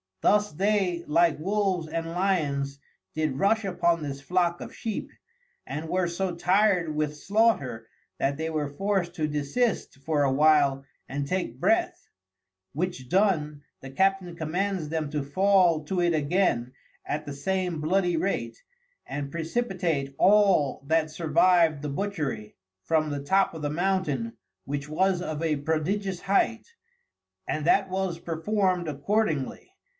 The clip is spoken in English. Thus they, like Wolves and Lyons, did rush upon this flock of Sheep, and were so tired with slaughter, that they were forced to desist for a while and take breath, which done, the Captain commands them to fall to it again at the same bloody rate, and precipitate all that survived the Butchery, from the top of the Mountain, which was of a prodigious height; and that was perform'd accordingly.